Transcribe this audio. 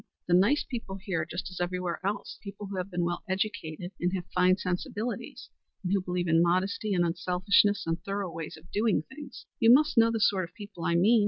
The nice people here just as everywhere else; the people who have been well educated and have fine sensibilities, and who believe in modesty, and unselfishness and thorough ways of doing things. You must know the sort of people I mean.